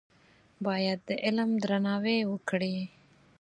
باید د علم درناوی وکړې.